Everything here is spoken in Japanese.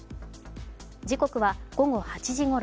時刻は午後８時ごろ。